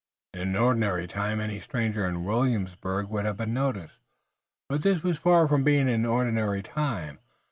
In an ordinary time any stranger in Williamsburg would have been noticed, but this was far from being an ordinary time.